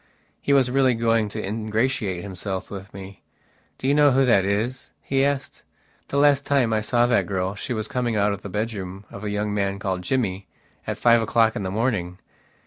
He was really going to ingratiate himself with me. "Do you know who that is?" he asked. "The last time I saw that girl she was coming out of the bedroom of a young man called Jimmy at five o'clock in the morning.